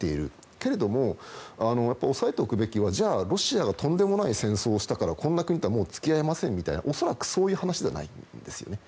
けれども、押さえておくべきはじゃあロシアがとんでもない戦争をしたからこんな国とはもう付き合えませんみたいな恐らくそういう話ではないんですよね。